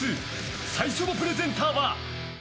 最初のプレゼンターは。